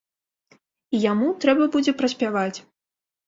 І яму трэба будзе праспяваць.